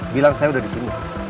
bilang saya udah disini